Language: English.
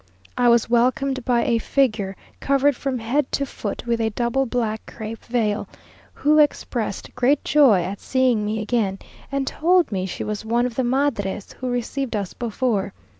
I was welcomed by a figure covered from head to foot with a double black crape veil, who expressed great joy at seeing me again, and told me she was one of the madres who received us before.